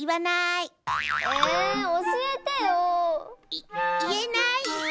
い言えない。